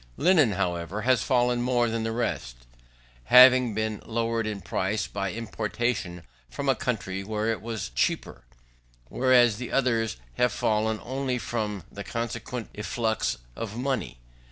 Linen, however, has fallen more than the rest; having been lowered in price, by importation from a country where it was cheaper, whereas the others have fallen only from the consequent efflux of money.